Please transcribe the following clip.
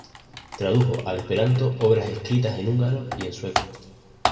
Tradujo al esperanto obras escritas en húngaro y en sueco.